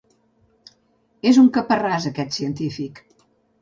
És un caparràs, aquest científic.